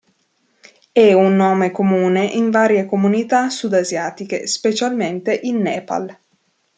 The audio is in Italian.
È un nome comune in varie comunità sud-asiatiche, specialmente in Nepal.